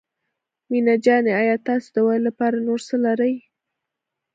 مينه جانې آيا تاسو د ويلو لپاره نور څه لرئ.